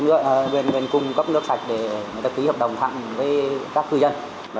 và chúng tôi sẽ làm việc với bên cung cấp nước sạch để ký hợp đồng thẳng với các cư dân